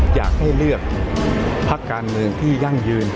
อยากให้เลือกพักการเมืองที่ยั่งยืน